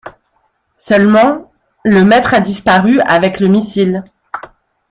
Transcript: Seulement, le Maître a disparu avec le missile.